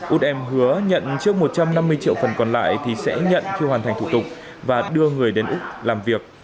út em hứa nhận trước một trăm năm mươi triệu phần còn lại thì sẽ nhận khi hoàn thành thủ tục và đưa người đến úc làm việc